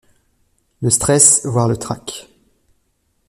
le stress voire le trac.